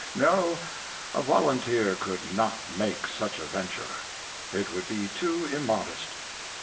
No, a volunteer could not make such a venture. It would be too immodest.